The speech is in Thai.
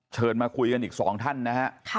เชิญมาคุยกันอีก๒ท่านนะฮะ